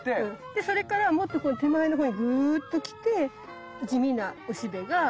でそれからもっと手前のほうにグッときて地味なおしべが２つ。